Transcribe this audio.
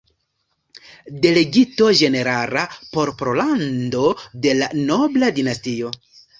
Delegito Ĝenerala por Pollando de la "Nobla Dinastio.